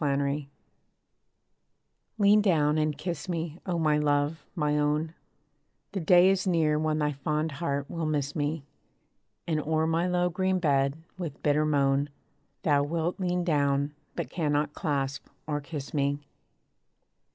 PARTING Lean down, and kiss me, O my love, my own; The day is near when thy fond heart will miss me; And o'er my low green bed, with bitter moan, Thou wilt lean down, but cannot clasp or kiss me.